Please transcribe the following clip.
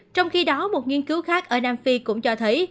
trong khi đó một nghiên cứu khác ở nam phi cũng cho thấy